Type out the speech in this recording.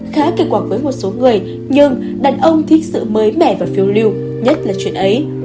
khá kịch quạc với một số người nhưng đàn ông thích sự mới mẻ và phiêu lưu nhất là chuyện ấy